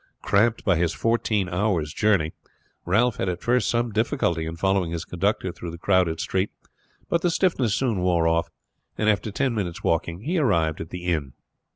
Cramped by his fourteen hours' journey Ralph had at first some difficulty in following his conductor through the crowded street, but the stiffness soon wore off, and after ten minutes walking he arrived at the inn.